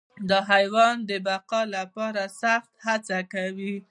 دا حیوان د بقا لپاره سخت هڅه کوي.